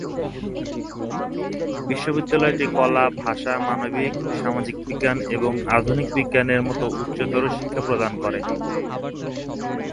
বিশ্ববিদ্যালয়টি কলা, ভাষা, মানবিক, সামাজিক বিজ্ঞান এবং আধুনিক বিজ্ঞান এর মত উচ্চতর শিক্ষা প্রদান করে।